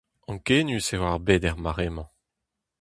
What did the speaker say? Ankenius eo ar bed er mare-mañ.